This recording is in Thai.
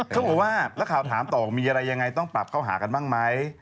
เขาบอกว่านักข่าวถามต่อมีอะไรยังไงต้องปรับเข้าหากันบ้างไหม